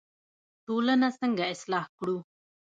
ټولنه څنګه اصلاح کړو؟